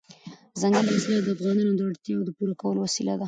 دځنګل حاصلات د افغانانو د اړتیاوو د پوره کولو وسیله ده.